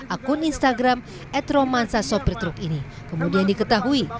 akun instagram edromansa sopir truk ini kemudian diketahui